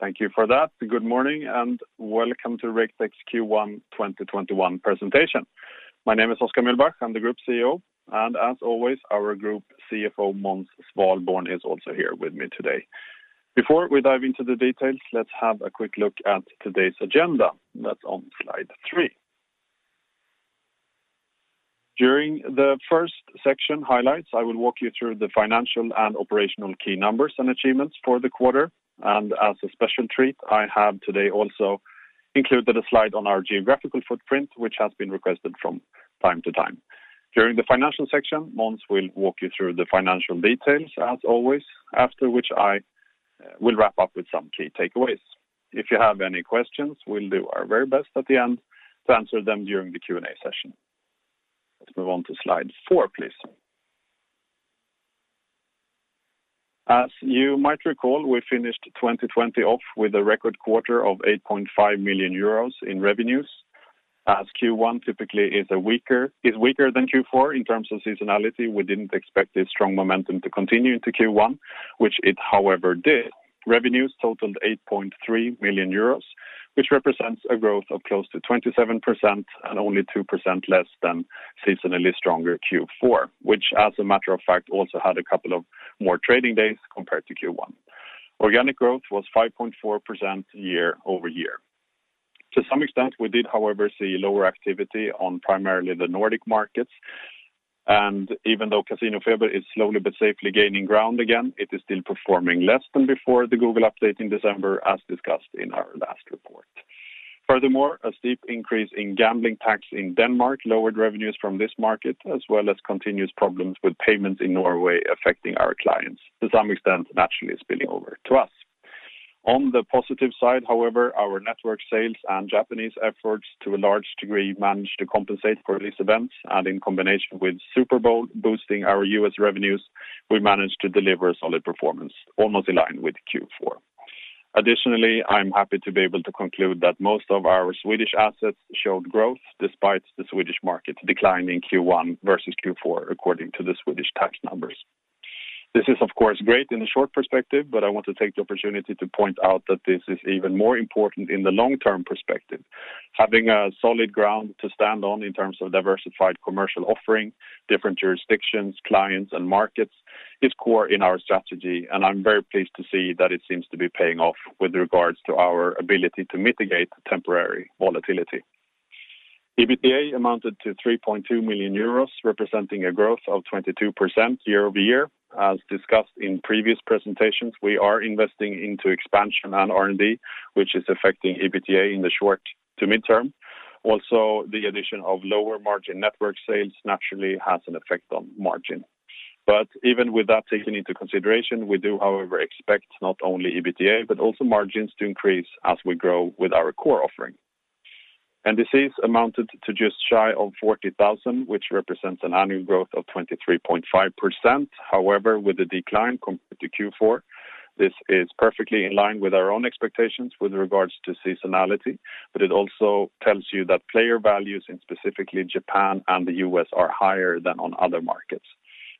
Thank you for that. Good morning, and welcome to Raketech's Q1 2021 presentation. My name is Oskar Mühlbach. I'm the group CEO, and as always, our group CFO, Måns Svalborn, is also here with me today. Before we dive into the details, let's have a quick look at today's agenda. That's on slide three. During the first section, highlights, I will walk you through the financial and operational key numbers and achievements for the quarter. As a special treat, I have today also included a slide on our geographical footprint, which has been requested from time to time. During the financial section, Måns will walk you through the financial details as always, after which I will wrap up with some key takeaways. If you have any questions, we'll do our very best at the end to answer them during the Q&A session. Let's move on to slide four, please. As you might recall, we finished 2020 off with a record quarter of 8.5 million euros in revenues. As Q1 typically is weaker than Q4 in terms of seasonality, we didn't expect this strong momentum to continue into Q1, which it, however, did. Revenues totaled 8.3 million euros, which represents a growth of close to 27% and only 2% less than seasonally stronger Q4, which as a matter of fact, also had a couple of more trading days compared to Q1. Organic growth was 5.4% year-over-year. To some extent, we did, however, see lower activity on primarily the Nordic markets, even though CasinoFeber is slowly but safely gaining ground again, it is still performing less than before the Google update in December as discussed in our last report. Furthermore, a steep increase in gambling tax in Denmark lowered revenues from this market, as well as continuous problems with payments in Norway affecting our clients, to some extent naturally spilling over to us. On the positive side, however, our network sales and Japanese efforts to a large degree managed to compensate for these events, and in combination with Super Bowl boosting our U.S. revenues, we managed to deliver solid performance, almost in line with Q4. Additionally, I'm happy to be able to conclude that most of our Swedish assets showed growth despite the Swedish market decline in Q1 versus Q4, according to the Swedish tax numbers. This is of course, great in the short perspective, but I want to take the opportunity to point out that this is even more important in the long-term perspective. Having a solid ground to stand on in terms of diversified commercial offering, different jurisdictions, clients, and markets is core in our strategy, and I'm very pleased to see that it seems to be paying off with regards to our ability to mitigate temporary volatility. EBITDA amounted to 3.2 million euros, representing a growth of 22% year-over-year. As discussed in previous presentations, we are investing into expansion and R&D, which is affecting EBITDA in the short to midterm. The addition of lower-margin network sales naturally has an effect on margin. Even with that taken into consideration, we do, however, expect not only EBITDA, but also margins to increase as we grow with our core offering. NDC amounted to just shy of 40,000, which represents an annual growth of 23.5%. With the decline compared to Q4, this is perfectly in line with our own expectations with regards to seasonality, but it also tells you that player values in specifically Japan and the U.S. are higher than on other markets.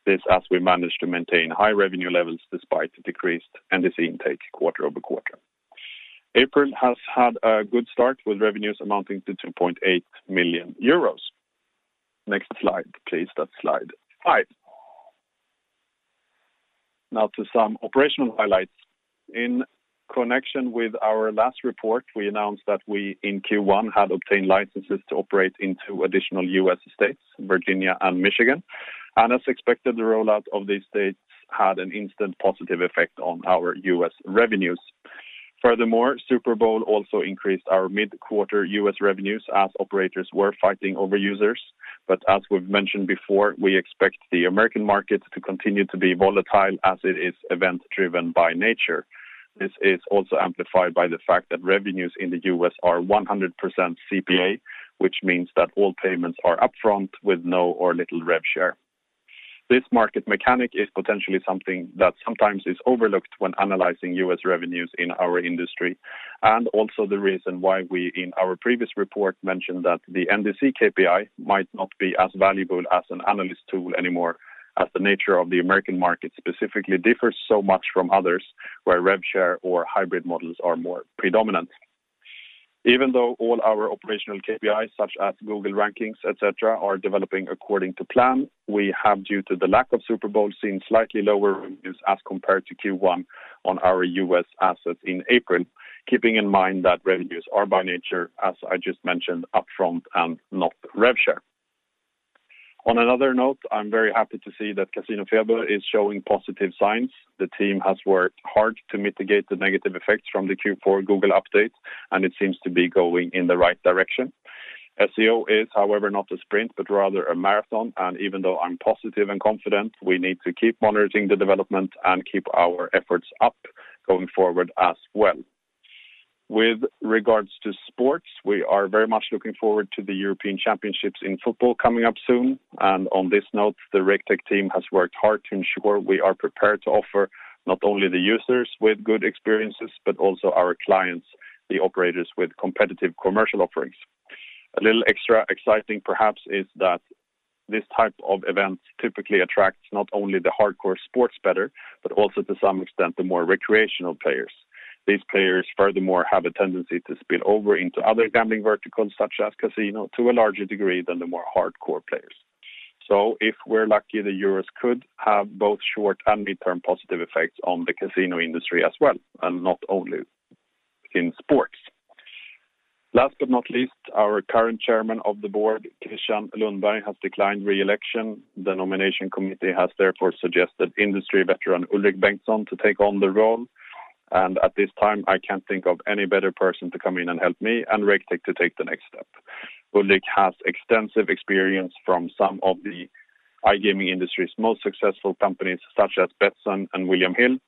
This as we managed to maintain high revenue levels despite decreased NDC intake quarter-over-quarter. April has had a good start with revenues amounting to 2.8 million euros. Next slide, please. That's slide five. To some operational highlights. In connection with our last report, we announced that we in Q1 had obtained licenses to operate in two additional U.S. states, Virginia and Michigan. As expected, the rollout of these states had an instant positive effect on our U.S. revenues. Super Bowl also increased our mid-quarter U.S. revenues as operators were fighting over users. As we've mentioned before, we expect the U.S. market to continue to be volatile as it is event-driven by nature. This is also amplified by the fact that revenues in the U.S. are 100% CPA, which means that all payments are upfront with no or little rev share. This market mechanic is potentially something that sometimes is overlooked when analyzing U.S. revenues in our industry, and also the reason why we, in our previous report, mentioned that the NDC KPI might not be as valuable as an analyst tool anymore as the nature of the U.S. market specifically differs so much from others where rev share or hybrid models are more predominant. Even though all our operational KPIs such as Google rankings, et cetera, are developing according to plan, we have, due to the lack of Super Bowl, seen slightly lower revenues as compared to Q1 on our U.S. assets in April. Keeping in mind that revenues are by nature, as I just mentioned, upfront and not rev share. On another note, I'm very happy to see that CasinoFeber is showing positive signs. The team has worked hard to mitigate the negative effects from the Q4 Google update. It seems to be going in the right direction. SEO is, however, not a sprint, but rather a marathon. Even though I'm positive and confident, we need to keep monitoring the development and keep our efforts up going forward as well. With regards to sports, we are very much looking forward to the European championships in football coming up soon. On this note, the Raketech team has worked hard to ensure we are prepared to offer not only the users with good experiences, but also our clients, the operators with competitive commercial offerings. A little extra exciting perhaps is that this type of event typically attracts not only the hardcore sports bettor, but also to some extent the more recreational players. These players furthermore have a tendency to spill over into other gambling verticals such as casino to a larger degree than the more hardcore players. If we're lucky, the euros could have both short and midterm positive effects on the casino industry as well, and not only in sports. Last but not least, our current Chairman of the Board, Christian Lundberg, has declined re-election. The nomination committee has therefore suggested industry veteran Ulrik Bengtsson to take on the role. At this time, I can't think of any better person to come in and help me and Raketech to take the next step. Ulrik has extensive experience from some of the iGaming industry's most successful companies, such as Betsson and William Hill,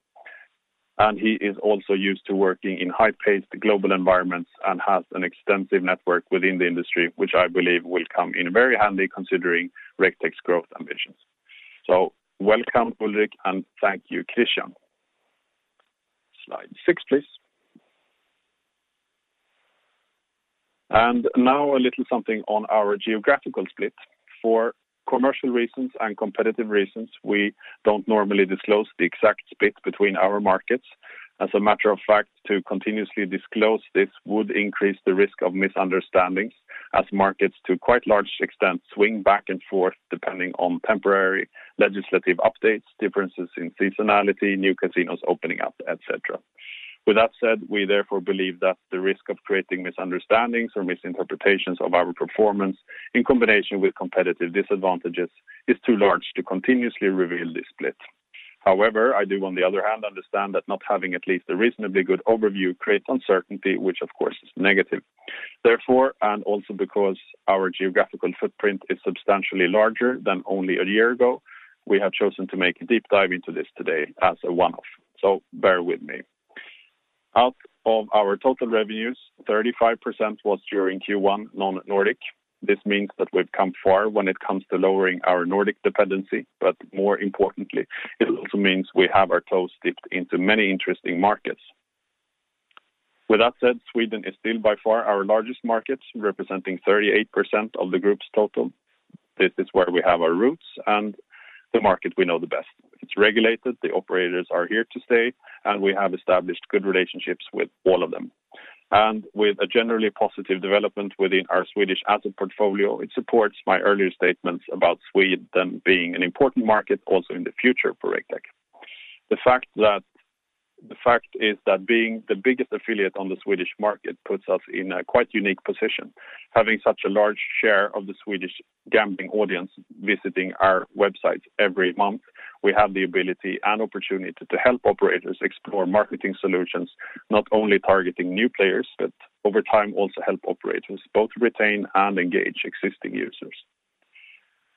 and he is also used to working in high-paced global environments and has an extensive network within the industry, which I believe will come in very handy considering Raketech's growth ambitions. Welcome, Ulrik, and thank you, Christian. Slide six, please. Now a little something on our geographical split. For commercial reasons and competitive reasons, we don't normally disclose the exact split between our markets. As a matter of fact, to continuously disclose this would increase the risk of misunderstandings as markets to quite large extent swing back and forth depending on temporary legislative updates, differences in seasonality, new casinos opening up, et cetera. With that said, we therefore believe that the risk of creating misunderstandings or misinterpretations of our performance in combination with competitive disadvantages is too large to continuously reveal this split. However, I do on the other hand understand that not having at least a reasonably good overview creates uncertainty, which of course is negative. Therefore, and also because our geographical footprint is substantially larger than only a year ago, we have chosen to make a deep dive into this today as a one-off. Bear with me. Out of our total revenues, 35% was during Q1 non-Nordic. This means that we've come far when it comes to lowering our Nordic dependency, but more importantly, it also means we have our toes dipped into many interesting markets. With that said, Sweden is still by far our largest market, representing 38% of the group's total. This is where we have our roots and the market we know the best. It's regulated, the operators are here to stay, and we have established good relationships with all of them. With a generally positive development within our Swedish asset portfolio, it supports my earlier statements about Sweden being an important market also in the future for Raketech. The fact is that being the biggest affiliate on the Swedish market puts us in a quite unique position. Having such a large share of the Swedish gambling audience visiting our websites every month, we have the ability and opportunity to help operators explore marketing solutions, not only targeting new players, but over time also help operators both retain and engage existing users.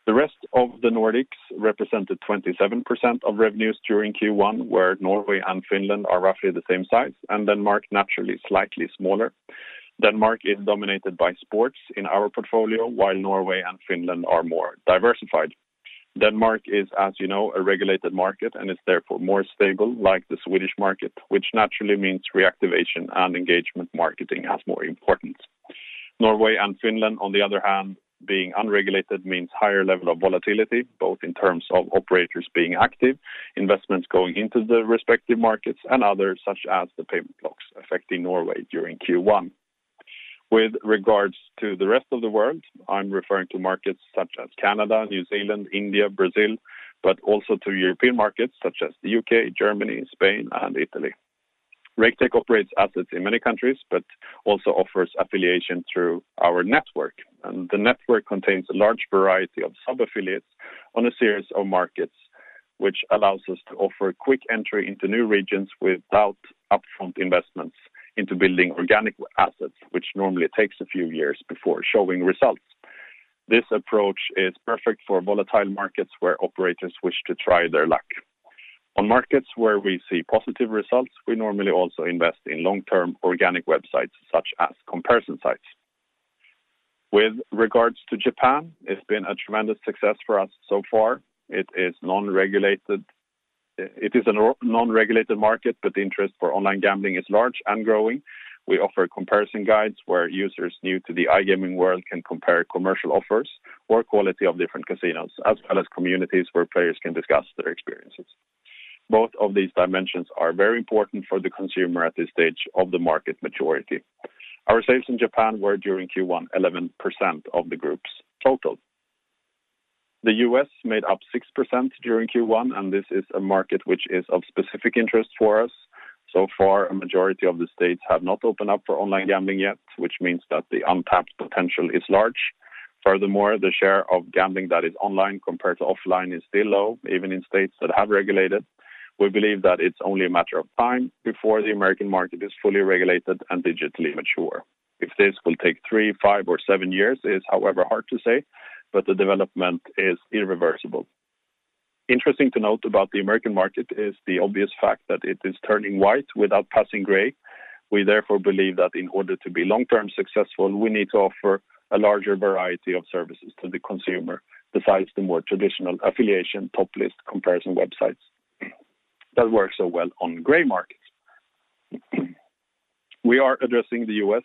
The rest of the Nordics represented 27% of revenues during Q1, where Norway and Finland are roughly the same size, and Denmark naturally slightly smaller. Denmark is dominated by sports in our portfolio, while Norway and Finland are more diversified. Denmark is, as you know, a regulated market and is therefore more stable like the Swedish market, which naturally means reactivation and engagement marketing as more important. Norway and Finland, on the other hand, being unregulated means higher level of volatility, both in terms of operators being active, investments going into the respective markets, and others such as the payment blocks affecting Norway during Q1. With regards to the rest of the world, I'm referring to markets such as Canada, New Zealand, India, Brazil, but also to European markets such as the U.K., Germany, Spain, and Italy. Raketech operates assets in many countries, but also offers affiliation through our network. The network contains a large variety of sub-affiliates on a series of markets, which allows us to offer quick entry into new regions without upfront investments into building organic assets, which normally takes a few years before showing results. This approach is perfect for volatile markets where operators wish to try their luck. On markets where we see positive results, we normally also invest in long-term organic websites such as comparison sites. With regards to Japan, it's been a tremendous success for us so far. It is a non-regulated market, but the interest for online gambling is large and growing. We offer comparison guides where users new to the iGaming world can compare commercial offers or quality of different casinos, as well as communities where players can discuss their experiences. Both of these dimensions are very important for the consumer at this stage of the market maturity. Our sales in Japan were during Q1 11% of the group's total. The U.S. made up 6% during Q1, and this is a market which is of specific interest for us. So far, a majority of the states have not opened up for online gambling yet, which means that the untapped potential is large. Furthermore, the share of gambling that is online compared to offline is still low, even in states that have regulated. We believe that it's only a matter of time before the American market is fully regulated and digitally mature. If this will take three, five, or seven years is however hard to say, but the development is irreversible. Interesting to note about the American market is the obvious fact that it is turning white without passing gray. We therefore believe that in order to be long-term successful, we need to offer a larger variety of services to the consumer besides the more traditional affiliation, top list comparison websites. That works so well on gray markets. We are addressing the U.S.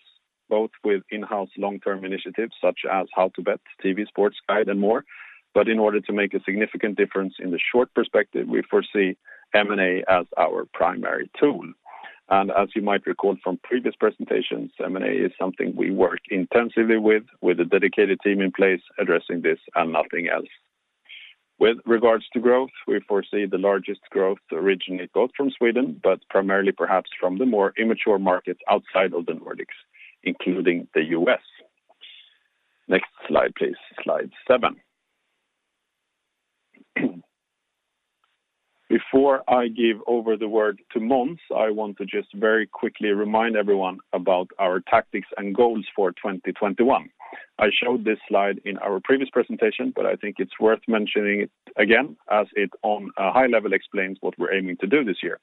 both with in-house long-term initiatives such as HowToBet, TV Sports Guide, and more, but in order to make a significant difference in the short perspective, we foresee M&A as our primary tool. As you might recall from previous presentations, M&A is something we work intensively with a dedicated team in place addressing this and nothing else. With regards to growth, we foresee the largest growth originally both from Sweden, but primarily perhaps from the more immature markets outside of the Nordics, including the U.S. Next slide, please. Slide seven. Before I give over the word to Måns, I want to just very quickly remind everyone about our tactics and goals for 2021. I showed this slide in our previous presentation, but I think it's worth mentioning it again as it on a high level explains what we're aiming to do this year.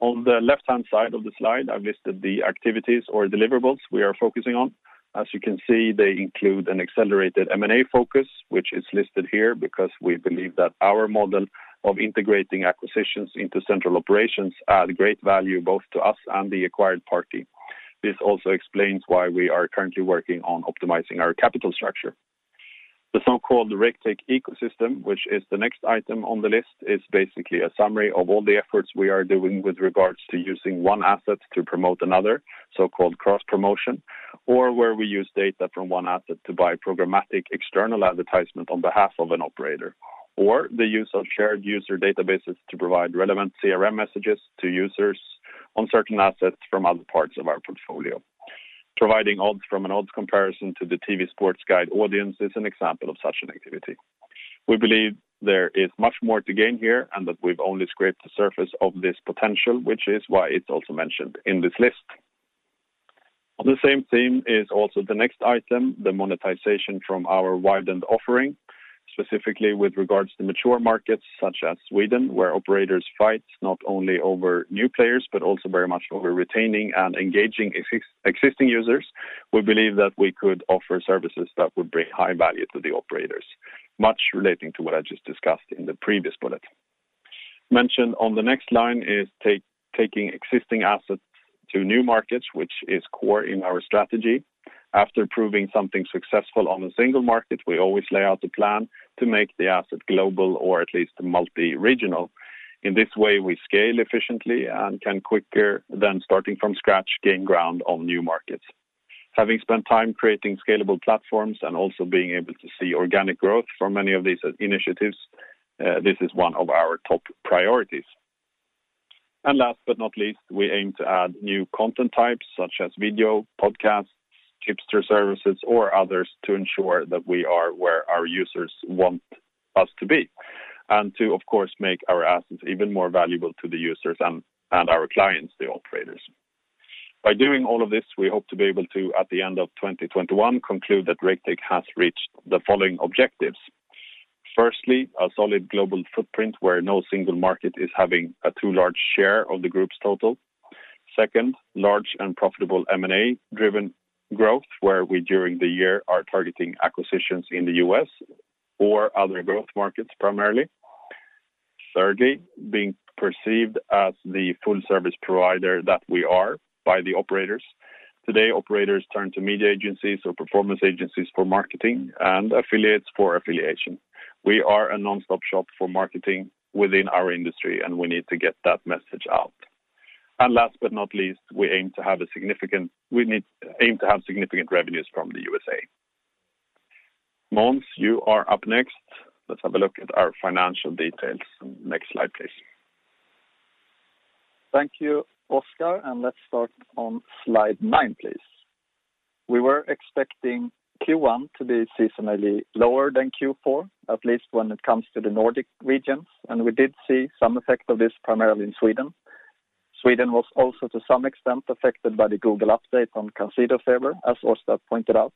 On the left-hand side of the slide, I've listed the activities or deliverables we are focusing on. As you can see, they include an accelerated M&A focus, which is listed here because we believe that our model of integrating acquisitions into central operations add great value both to us and the acquired party. This also explains why we are currently working on optimizing our capital structure. The so-called Raketech ecosystem, which is the next item on the list, is basically a summary of all the efforts we are doing with regards to using one asset to promote another, so-called cross-promotion, or where we use data from one asset to buy programmatic external advertisement on behalf of an operator, or the use of shared user databases to provide relevant CRM messages to users on certain assets from other parts of our portfolio. Providing odds from an odds comparison to the TV Sports Guide audience is an example of such an activity. We believe there is much more to gain here and that we've only scraped the surface of this potential, which is why it's also mentioned in this list. On the same theme is also the next item, the monetization from our widened offering, specifically with regards to mature markets such as Sweden, where operators fight not only over new players, but also very much over retaining and engaging existing users. We believe that we could offer services that would bring high value to the operators, much relating to what I just discussed in the previous bullet. Mentioned on the next line is taking existing assets to new markets, which is core in our strategy. After proving something successful on a single market, we always lay out a plan to make the asset global or at least multi-regional. In this way, we scale efficiently and can quicker than starting from scratch gain ground on new markets. Having spent time creating scalable platforms and also being able to see organic growth from many of these initiatives, this is one of our top priorities. Last but not least, we aim to add new content types such as video, podcasts, tipster services, or others to ensure that we are where our users want us to be, and to, of course, make our assets even more valuable to the users and our clients, the operators. By doing all of this, we hope to be able to, at the end of 2021, conclude that Raketech has reached the following objectives. Firstly, a solid global footprint where no single market is having a too large share of the group's total. Second, large and profitable M&A-driven growth, where we during the year are targeting acquisitions in the U.S. or other growth markets, primarily. Thirdly, being perceived as the full service provider that we are by the operators. Today, operators turn to media agencies or performance agencies for marketing and affiliates for affiliation. We are a one-stop shop for marketing within our industry. We need to get that message out. Last but not least, we aim to have significant revenues from the USA. Måns, you are up next. Let's have a look at our financial details. Next slide, please. Thank you, Oskar. Let's start on slide nine, please. We were expecting Q1 to be seasonally lower than Q4, at least when it comes to the Nordic regions. We did see some effect of this primarily in Sweden. Sweden was also to some extent affected by the Google update on CasinoFeber, as Oskar pointed out.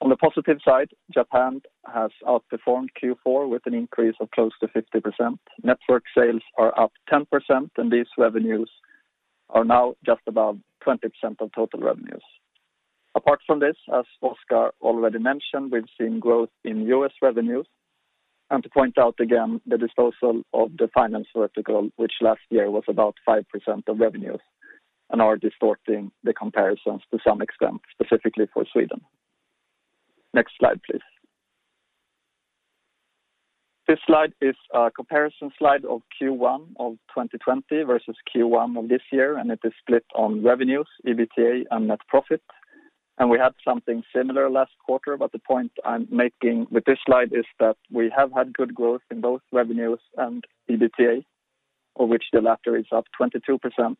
On the positive side, Japan has outperformed Q4 with an increase of close to 50%. Network sales are up 10%. These revenues are now just about 20% of total revenues. Apart from this, as Oskar already mentioned, we've seen growth in U.S. revenues. To point out again the disposal of the finance vertical, which last year was about 5% of revenues and are distorting the comparisons to some extent, specifically for Sweden. Next slide, please. This slide is a comparison slide of Q1 of 2020 versus Q1 of this year. It is split on revenues, EBITDA, and net profit. We had something similar last quarter. The point I'm making with this slide is that we have had good growth in both revenues and EBITDA, of which the latter is up 22%.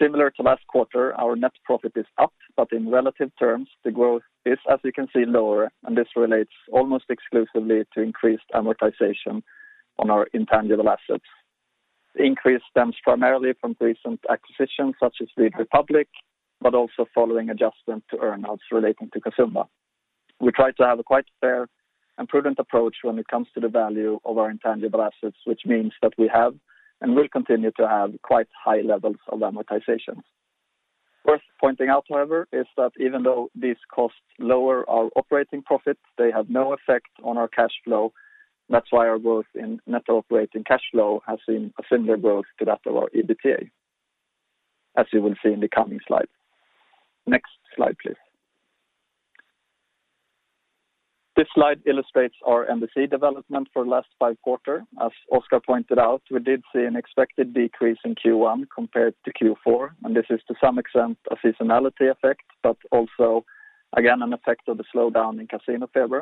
Similar to last quarter, our net profit is up, but in relative terms, the growth is, as you can see, lower. This relates almost exclusively to increased amortization on our intangible assets. The increase stems primarily from recent acquisitions such as Lead Republik, also following adjustment to earn-outs relating to Casumba. We try to have a quite fair and prudent approach when it comes to the value of our intangible assets, which means that we have and will continue to have quite high levels of amortization. Worth pointing out, however, is that even though these costs lower our operating profits, they have no effect on our cash flow. That's why our growth in net operating cash flow has seen a similar growth to that of our EBITDA, as you will see in the coming slide. Next slide, please. This slide illustrates our NDC development for last five quarter. As Oskar pointed out, we did see an expected decrease in Q1 compared to Q4. This is to some extent a seasonality effect, also, again, an effect of the slowdown in CasinoFeber.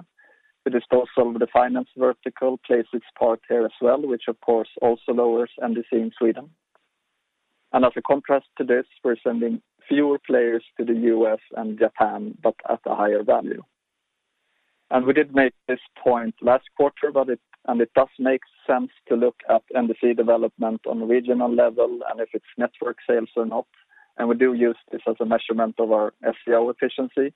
The disposal of the finance vertical plays its part here as well, which of course also lowers NDC in Sweden. As a contrast to this, we're sending fewer players to the U.S. and Japan, but at a higher value. We did make this point last quarter, and it does make sense to look at NDC development on a regional level and if it's network sales or not, and we do use this as a measurement of our SEO efficiency.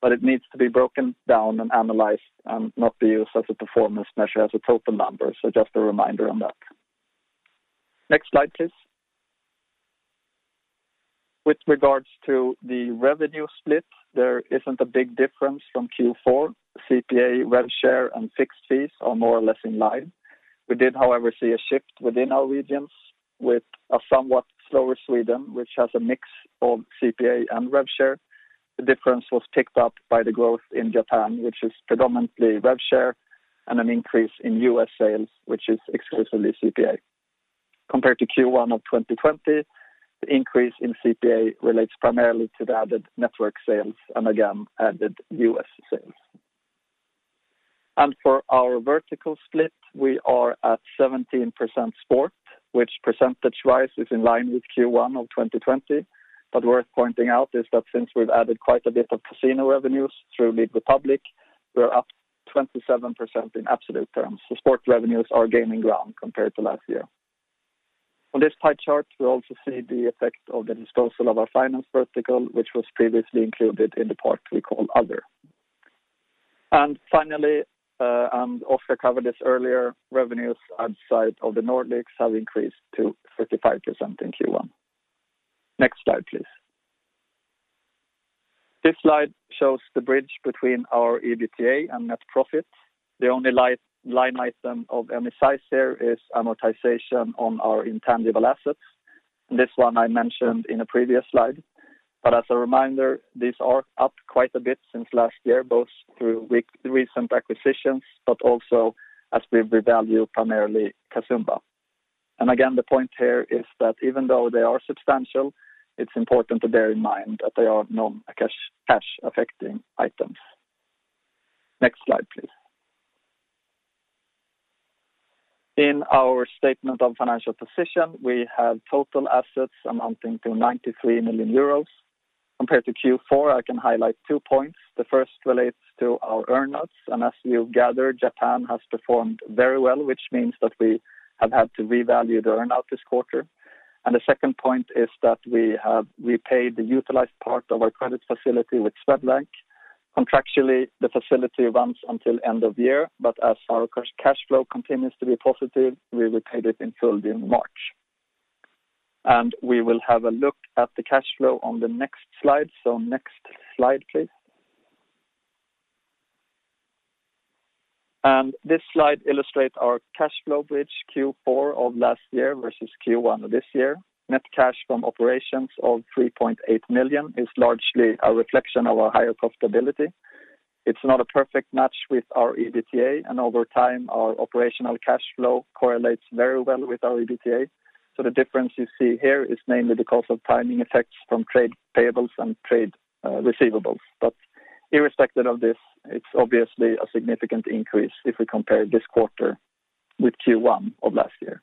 It needs to be broken down and analyzed and not be used as a performance measure as a total number. Just a reminder on that. Next slide, please. With regards to the revenue split, there isn't a big difference from Q4. CPA, rev share, and fixed fees are more or less in line. We did, however, see a shift within our regions with a somewhat slower Sweden, which has a mix of CPA and rev share. The difference was picked up by the growth in Japan, which is predominantly rev share, and an increase in U.S. sales, which is exclusively CPA. Compared to Q1 of 2020, the increase in CPA relates primarily to the added network sales and again, added U.S. sales. For our vertical split, we are at 17% sport, which percentage-wise is in line with Q1 of 2020. Worth pointing out is that since we've added quite a bit of casino revenues through Lead Republik, we're up 27% in absolute terms. Sport revenues are gaining ground compared to last year. On this pie chart, we also see the effect of the disposal of our finance vertical, which was previously included in the part we call other. Finally, Oskar covered this earlier, revenues outside of the Nordics have increased to 35% in Q1. Next slide, please. This slide shows the bridge between our EBITDA and net profit. The only line item of any size here is amortization on our intangible assets. This one I mentioned in a previous slide. As a reminder, these are up quite a bit since last year, both through recent acquisitions, but also as we revalue primarily Casumba. Again, the point here is that even though they are substantial, it is important to bear in mind that they are non-cash affecting items. Next slide, please. In our statement of financial position, we have total assets amounting to 93 million euros. Compared to Q4, I can highlight two points. The first relates to our earnouts. As you gather, Japan has performed very well, which means that we have had to revalue the earnout this quarter. The second point is that we have repaid the utilized part of our credit facility with Swedbank. Contractually, the facility runs until end of year, but as our cash flow continues to be positive, we repaid it in full during March. We will have a look at the cash flow on the next slide. Next slide, please. This slide illustrates our cash flow bridge Q4 of last year versus Q1 of this year. Net cash from operations of 3.8 million is largely a reflection of our higher profitability. It's not a perfect match with our EBITDA, and over time, our operational cash flow correlates very well with our EBITDA. The difference you see here is mainly because of timing effects from trade payables and trade receivables. Irrespective of this, it's obviously a significant increase if we compare this quarter with Q1 of last year.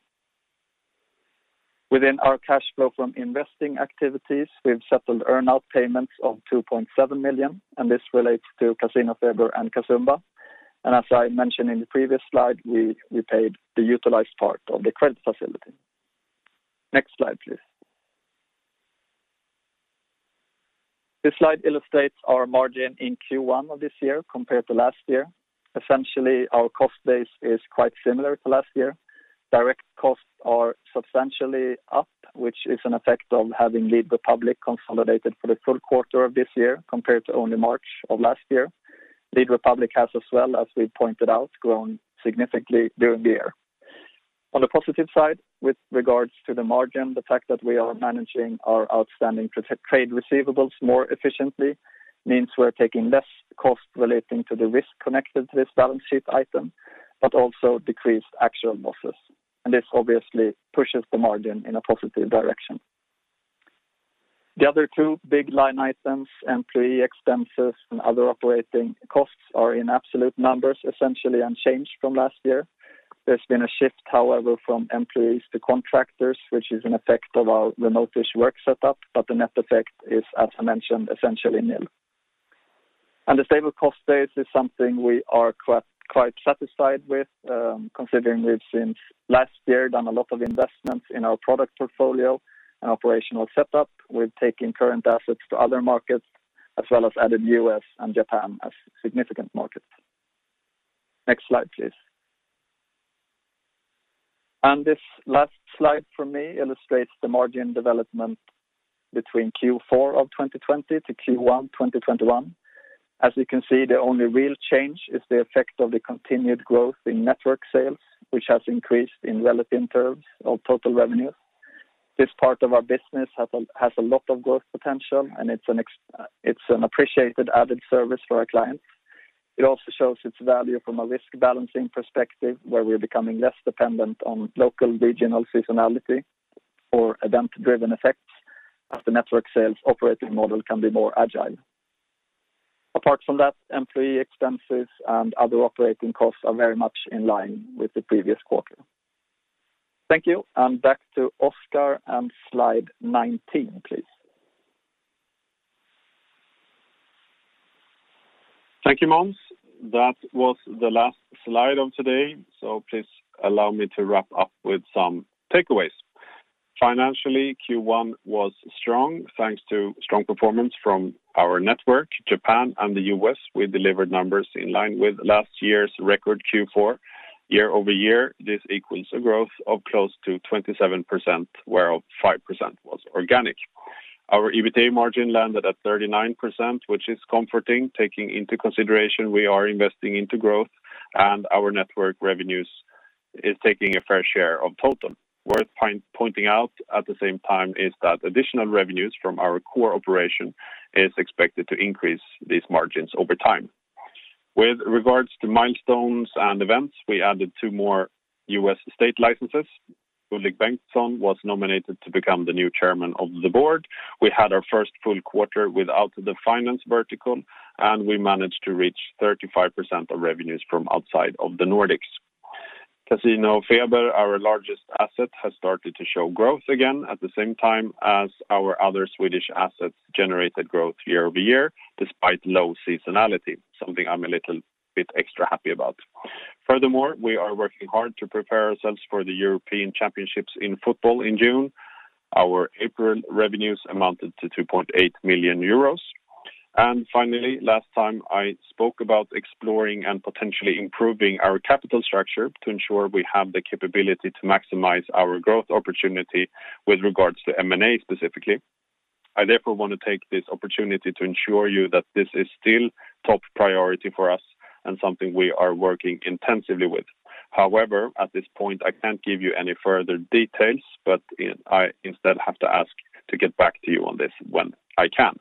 Within our cash flow from investing activities, we've settled earnout payments of 2.7 million, and this relates to CasinoFeber and Casumba. As I mentioned in the previous slide, we repaid the utilized part of the credit facility. Next slide, please. This slide illustrates our margin in Q1 of this year compared to last year. Essentially, our cost base is quite similar to last year. Direct costs are substantially up, which is an effect of having Lead Republik consolidated for the full quarter of this year, compared to only March of last year. Lead Republik has as well, as we pointed out, grown significantly during the year. On the positive side, with regards to the margin, the fact that we are managing our outstanding trade receivables more efficiently means we're taking less cost relating to the risk connected to this balance sheet item, but also decreased actual losses. This obviously pushes the margin in a positive direction. The other two big line items, employee expenses and other operating costs are in absolute numbers, essentially unchanged from last year. There's been a shift, however, from employees to contractors, which is an effect of our remotish work set up, but the net effect is, as I mentioned, essentially nil. The stable cost base is something we are quite satisfied with, considering we've since last year done a lot of investments in our product portfolio and operational set up. We've taken current assets to other markets as well as added U.S. and Japan as significant markets. Next slide, please. This last slide from me illustrates the margin development between Q4 of 2020 to Q1 2021. As you can see, the only real change is the effect of the continued growth in network sales, which has increased in relative terms of total revenue. This part of our business has a lot of growth potential, and it's an appreciated added service for our clients. It also shows its value from a risk-balancing perspective, where we're becoming less dependent on local regional seasonality or event-driven effects, as the network sales operating model can be more agile. Apart from that, employee expenses and other operating costs are very much in line with the previous quarter. Thank you. Back to Oskar and slide 19, please. Thank you, Måns. That was the last slide of today. Please allow me to wrap up with some takeaways. Financially, Q1 was strong, thanks to strong performance from our network, Japan, and the U.S. We delivered numbers in line with last year's record Q4. Year-over-year, this equals a growth of close to 27%, where 5% was organic. Our EBITDA margin landed at 39%, which is comforting, taking into consideration we are investing into growth, and our network revenues is taking a fair share of total. Worth pointing out at the same time is that additional revenues from our core operation is expected to increase these margins over time. With regards to milestones and events, we added two more U.S. state licenses. Ulrik Bengtsson was nominated to become the new chairman of the board. We had our first full quarter without the finance vertical, and we managed to reach 35% of revenues from outside of the Nordics. CasinoFeber, our largest asset, has started to show growth again at the same time as our other Swedish assets generated growth year-over-year despite low seasonality, something I'm a little bit extra happy about. Furthermore, we are working hard to prepare ourselves for the European Championships in football in June. Our April revenues amounted to 2.8 million euros. Finally, last time, I spoke about exploring and potentially improving our capital structure to ensure we have the capability to maximize our growth opportunity with regards to M&A specifically. I, therefore, want to take this opportunity to ensure you that this is still top priority for us and something we are working intensively with. However, at this point, I can't give you any further details, but I instead have to ask to get back to you on this when I can.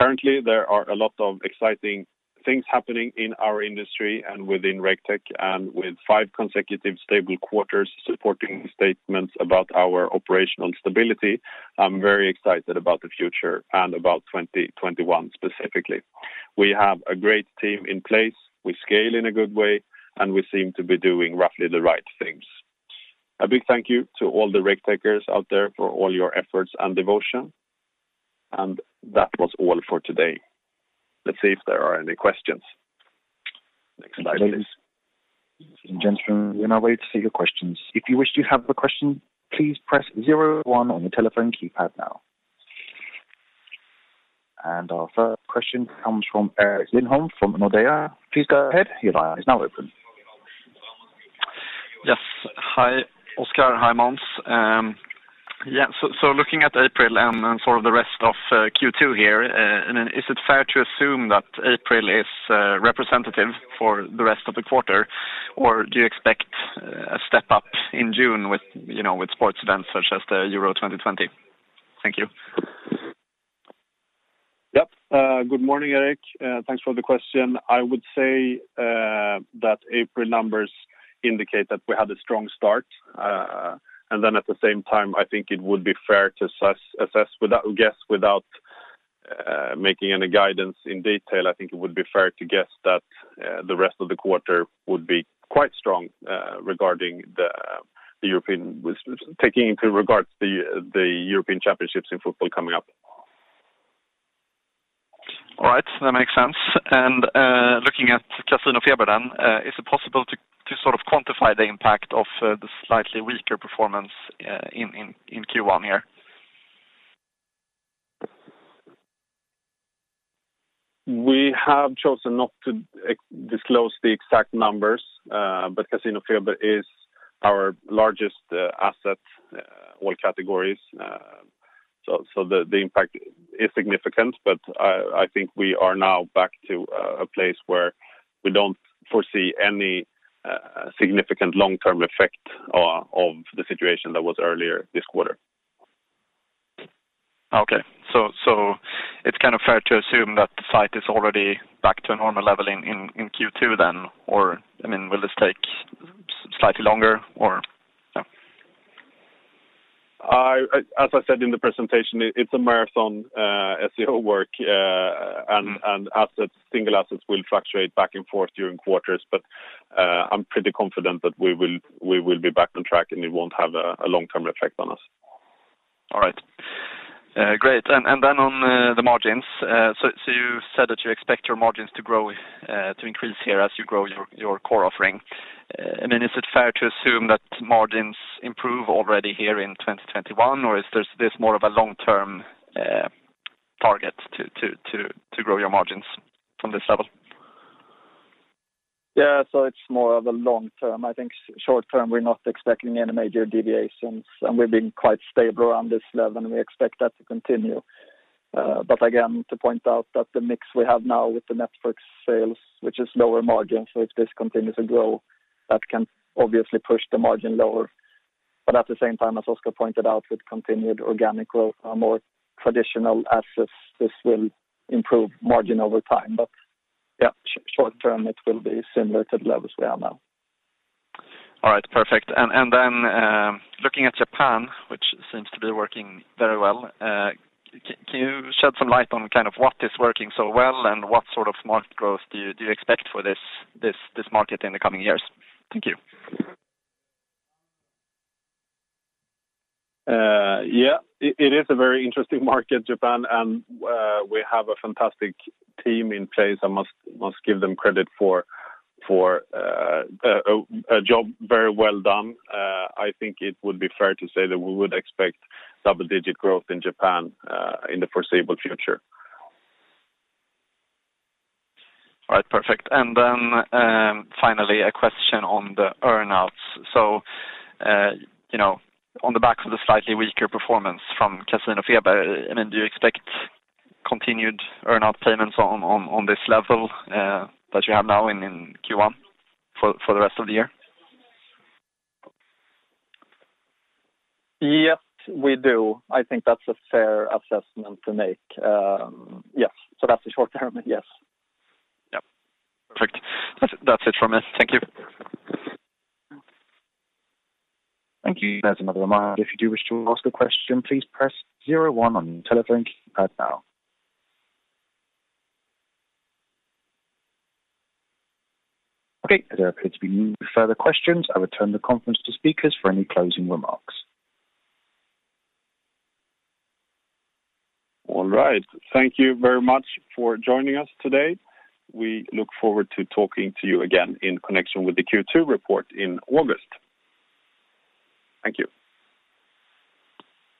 Currently, there are a lot of exciting things happening in our industry and within Raketech, with five consecutive stable quarters supporting statements about our operational stability. I'm very excited about the future and about 2021 specifically. We have a great team in place. We scale in a good way, and we seem to be doing roughly the right things. A big thank you to all the Raketechers out there for all your efforts and devotion. That was all for today. Let's see if there are any questions. Next slide, please. Ladies and gentlemen, we now wait to see your questions. Our first question comes from Erik Lindholm from Nordea. Please go ahead. Your line is now open. Yes. Hi, Oskar. Hi, Måns. Looking at April and then sort of the rest of Q2 here, is it fair to assume that April is representative for the rest of the quarter, or do you expect a step up in June with sports events such as the Euro 2020? Thank you. Yep. Good morning, Erik. Thanks for the question. I would say that April numbers indicate that we had a strong start. At the same time, I think it would be fair to assess, I guess, without making any guidance in detail. I think it would be fair to guess that the rest of the quarter would be quite strong taking into regards the European Championships in football coming up. All right, that makes sense. Looking at CasinoFeber then, is it possible to sort of quantify the impact of the slightly weaker performance in Q1 here? We have chosen not to disclose the exact numbers, but CasinoFeber is our largest asset, all categories. The impact is significant, but I think we are now back to a place where we don't foresee any significant long-term effect of the situation that was earlier this quarter. Okay. It's kind of fair to assume that the site is already back to a normal level in Q2 then, or will this take slightly longer or no? As I said in the presentation, it's a marathon SEO work, and single assets will fluctuate back and forth during quarters, but I'm pretty confident that we will be back on track and it won't have a long-term effect on us. All right. Great. On the margins, you said that you expect your margins to increase here as you grow your core offering. Is it fair to assume that margins improve already here in 2021, or is this more of a long-term target to grow your margins from this level? It's more of a long term. I think short term, we're not expecting any major deviations, and we've been quite stable around this level, and we expect that to continue. Again, to point out that the mix we have now with the network sales, which is lower margin, so if this continues to grow, that can obviously push the margin lower. At the same time, as Oskar pointed out, with continued organic growth on more traditional assets, this will improve margin over time. Short term, it will be similar to the levels we are now. All right, perfect. Looking at Japan, which seems to be working very well, can you shed some light on what is working so well and what sort of market growth do you expect for this market in the coming years? Thank you. Yeah. It is a very interesting market, Japan, and we have a fantastic team in place. I must give them credit for a job very well done. I think it would be fair to say that we would expect double-digit growth in Japan, in the foreseeable future. All right. Perfect. Finally, a question on the earn outs. On the backs of the slightly weaker performance from Casumba, do you expect continued earn out payments on this level that you have now in Q1 for the rest of the year? Yes, we do. I think that's a fair assessment to make. Yes. That's the short term. Yes. Yep. Perfect. That's it from me. Thank you. Thank you. There's another reminder. If you do wish to ask a question, please press zero one on your telephone keypad now. Okay, there appear to be no further questions. I return the conference to speakers for any closing remarks. All right. Thank you very much for joining us today. We look forward to talking to you again in connection with the Q2 report in August. Thank you.